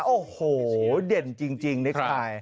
โอ้โหเด่นจริงเน็กไทน์